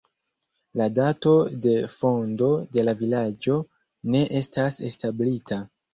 La dato de fondo de la vilaĝo ne estas establita.